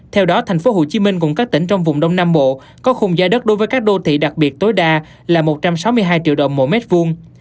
theo đó tp hcm cùng các tỉnh trong vùng đông nam bộ có khung giá đất đối với các đô thị đặc biệt tối đa là một trăm sáu mươi hai triệu đồng một mét vuông